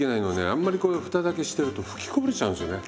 あんまりこう蓋だけしてると吹きこぼれちゃうんですよね